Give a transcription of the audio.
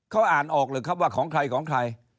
เขาอ่านออกหรือครับว่าของใครของใคร